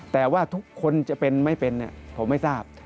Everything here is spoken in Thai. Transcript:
แต่ว่าทุกคนจะเป็นไม่เป็นผมไม่ทราบ